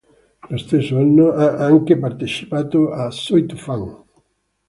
Lo stesso anno ha anche partecipato a "Soy tu fan".